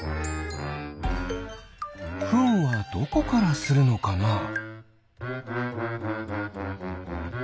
フンはどこからするのかな？